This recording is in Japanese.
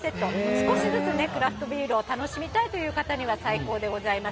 少しね、クラフトビールを楽しみたいという方、最高でございます。